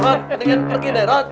rot mendingan pergi deh rot